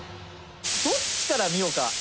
「どっちから見ようか？」